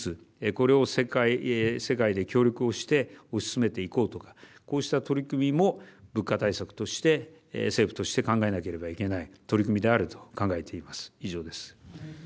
これを世界で協力をして推し進めていこうとかこうした取り組みも物価対策として政府として考えなければいけない取り組みであると考えています。